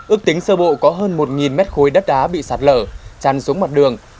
ước tính sơ bộ có hơn một m khối đất đá bị sạt lở chăn xuống mặt đường